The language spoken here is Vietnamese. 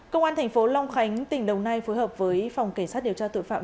công an thành phố long khánh tỉnh đồng nai phối hợp với phòng cảnh sát điều tra tội phạm